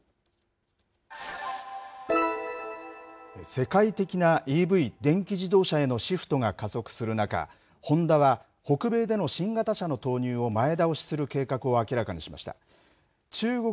世界的なＥＶ・電気自動車へのシフトが加速する中、ホンダは、北米での新型車の投入を前倒しする計画を明らかにしました。